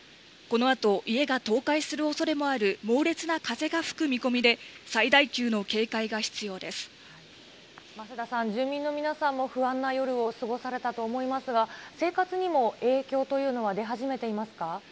このあと、家が倒壊するおそれもある猛烈な風が吹く見込みで、最大級の警戒間世田さん、住民の皆さんも不安な夜を過ごされたと思いますが、生活にも影響というのは出始めていますか。